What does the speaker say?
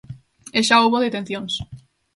E xa houbo detencións.